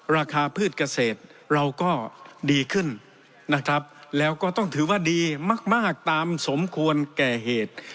พืชเกษตรเราก็ดีขึ้นนะครับแล้วก็ต้องถือว่าดีมากตามสมควรแก่เหตุ